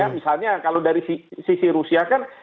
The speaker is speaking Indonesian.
misalnya kalau dari sisi rusia kan